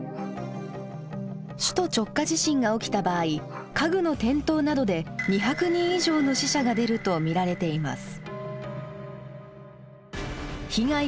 首都直下地震が起きた場合家具の転倒などで２００人以上の死者が出ると見られています。